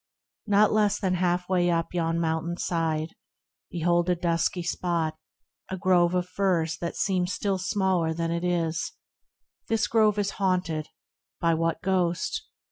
Not less than halfway up yon mountain's side, Behold a dusky spot, a grove of Firs That seems still smaller than it is ; this grove Is haunted — by what ghost